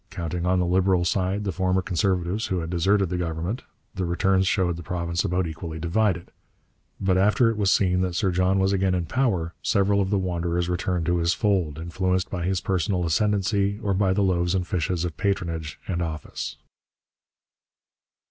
Counting on the Liberal side the former Conservatives who had deserted the Government, the returns showed the province about equally divided; but after it was seen that Sir John was again in power, several of the wanderers returned to his fold, influenced by his personal ascendancy or by the loaves and fishes of patronage and office.